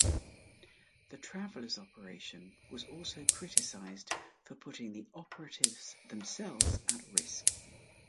The travelers operation was also criticized for putting the operatives themselves at risk.